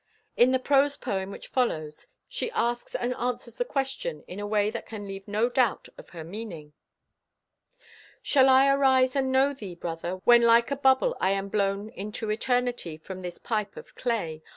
In the prose poem which follows, she asks and answers the question in a way that can leave no doubt of her meaning: "Shall I arise and know thee, brother, when like a bubble I am blown into Eternity from this pipe of clay?